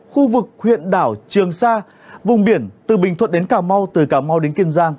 khu vực huyện đảo trường sa vùng biển từ bình thuận đến cà mau từ cà mau đến kiên giang